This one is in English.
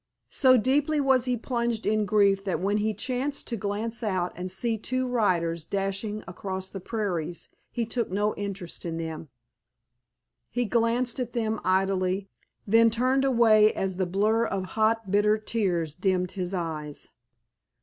So deeply was he plunged in grief that when he chanced to glance out and see two riders dashing across the prairies he took no interest in them. He glanced at them idly, then turned away as the blur of hot, bitter tears dimmed his eyes.